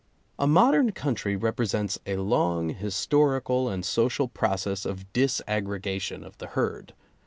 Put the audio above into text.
A modern country represents a long historical and social process of disaggregation of the herd.